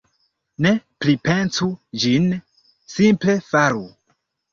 Ne pripensu ĝin, simple faru.